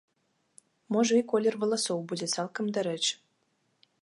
Можа і колер валасоў будзе цалкам дарэчы.